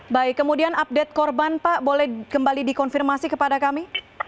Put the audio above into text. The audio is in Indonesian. baik kemudian update korban pak boleh kembali dikonfirmasi kepada kami